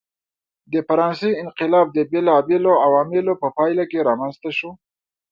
د فرانسې انقلاب د بېلابېلو عواملو په پایله کې رامنځته شو.